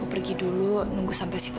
pergi komunis itu